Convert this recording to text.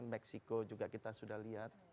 meksiko juga kita sudah lihat